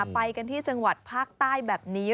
ไปกันที่จังหวัดภาคใต้แบบนี้